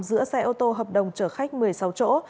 giữa xe ô tô hợp đồng chở khách một mươi sáu chỗ